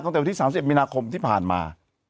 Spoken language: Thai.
ตั้งแต่วันที่๓๐มีนาคมที่ผ่านมา